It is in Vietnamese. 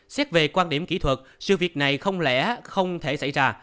xét về quan điểm kỹ thuật sự việc này không lẽ không thể xảy ra